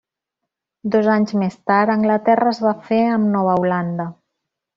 Dos anys més tard, Anglaterra es va fer amb Nova Holanda.